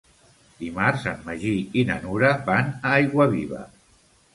Dimarts en Magí i na Nura van a Aiguaviva.